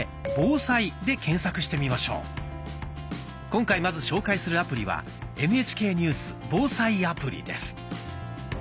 今回まず紹介するアプリは「ＮＨＫニュース・防災アプリ」です。